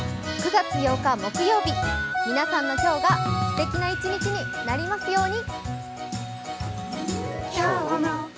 ９月８日木曜日、皆さんの今日がすてきな一日になりますように。